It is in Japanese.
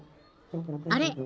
あれ？